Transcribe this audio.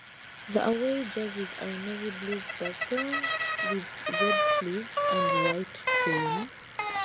The away jerseys are navy blue backgrounds with red sleeves and white trim.